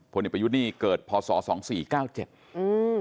เด็กประยุทธ์นี่เกิดพศสองสี่เก้าเจ็ดอืม